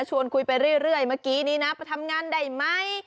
ชวนคุยไปเรื่อยมากี้นะทำงานได้ไหม